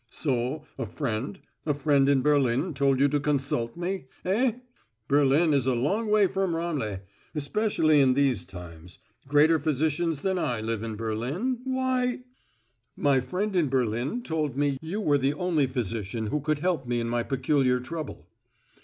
"So, a friend a friend in Berlin told you to consult me, eh? Berlin is a long way from Ramleh especially in these times. Greater physicians than I live in Berlin. Why " "My friend in Berlin told me you were the only physician who could help me in my peculiar trouble."